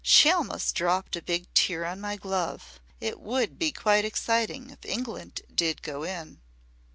She almost dropped a big tear on my glove. It would be quite exciting if England did go in."